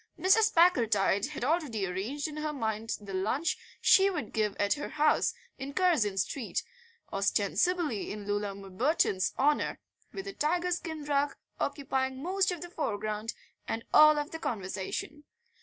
Mrs. Packletide had already arranged in her mind the lunch she would give at her house in Curzon Street, ostensibly in Loona Bimberton's honour, with a tiger skin rug occupying most of the foreground and all of the conversation.